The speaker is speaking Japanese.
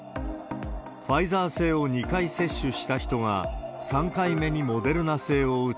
ファイザー製を２回接種した人が３回目にモデルナ製を打つ